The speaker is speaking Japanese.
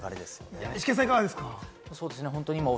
イシケンさん、いかがですか？